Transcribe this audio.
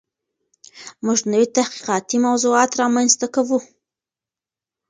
موږ نوي تحقیقاتي موضوعات رامنځته کوو.